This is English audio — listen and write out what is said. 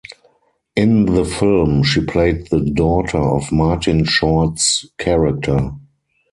In the film, she played the daughter of Martin Short's character.